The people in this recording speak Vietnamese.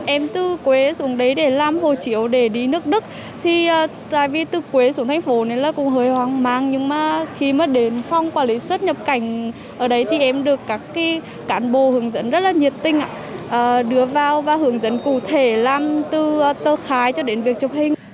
em từ quế xuống đấy để làm hồ chiếu để đi nước đức thì tại vì từ quế xuống thành phố nên là cũng hơi hoang mang nhưng mà khi mà đến phòng quản lý xuất nhập cảnh ở đấy thì em được các cán bộ hướng dẫn rất là nhiệt tình đưa vào và hướng dẫn cụ thể làm từ tờ khai cho đến việc chụp hình